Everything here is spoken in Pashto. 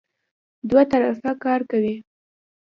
دوه طرفه کار کوي.